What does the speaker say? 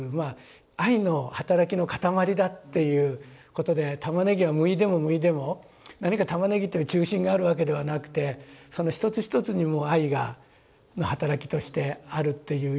愛の働きの塊りだっていうことで玉ねぎはむいでもむいでも何か玉ねぎという中心があるわけではなくてその一つ一つにも愛が働きとしてあるというような。